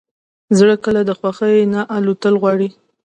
زړه کله د خوښۍ نه الوتل غواړي.